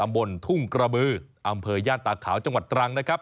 บนทุ่งกระบืออำเภอย่านตาขาวจังหวัดตรังนะครับ